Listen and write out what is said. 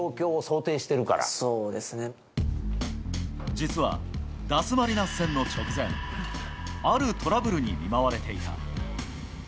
実は、ダスマリナス戦の直前あるトラブルに見舞われていた。